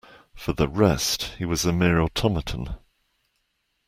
For the rest, he was a mere automaton.